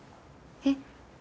えっ？